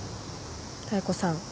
妙子さん